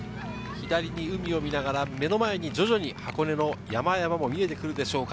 左に海を見ながら、目の前に徐々に箱根の山々も見えてくるでしょうか。